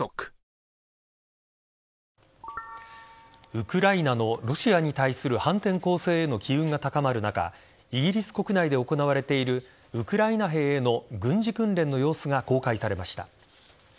ウクライナのロシアに対する反転攻勢への機運が高まる中イギリス国内で行われているウクライナ兵への軍事訓練の様子が公開されました。